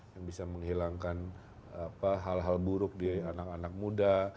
yang bisa menghilangkan hal hal buruk di anak anak muda